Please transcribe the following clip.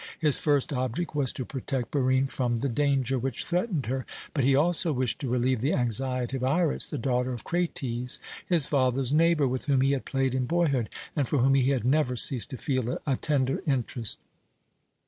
His first object was to protect Barine from the danger which threatened her; but he also wished to relieve the anxiety of Iras, the daughter of Krates, his father's neighbour, with whom he had played in boyhood and for whom he had never ceased to feel a tender interest.